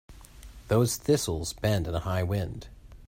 Those thistles bend in a high wind.